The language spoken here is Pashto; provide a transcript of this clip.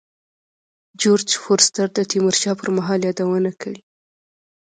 جورج فورستر د تیمور شاه پر مهال یادونه کړې.